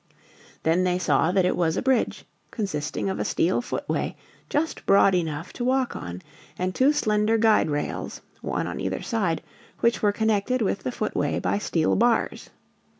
Then they saw that it was a bridge, consisting of a steel footway just broad enough to walk on, and two slender guide rails, one on either side, which were connected with the footway by steel bars.